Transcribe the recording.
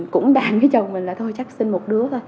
cũng bàn với chồng mình là thôi chắc sinh một đứa thôi